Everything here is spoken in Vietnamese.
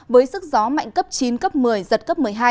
với sức gió mạnh cấp chín cấp một mươi giật cấp một mươi hai